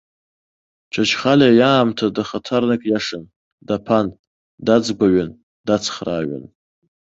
Чачхалиа иаамҭа дахаҭарнак иашан, даԥан, даҵгәаҩын, дацхрааҩын.